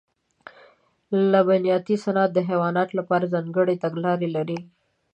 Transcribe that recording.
لبنیاتي صنعت د حیواناتو لپاره ځانګړې تګلارې لري.